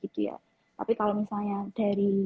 tapi kalau misalnya dari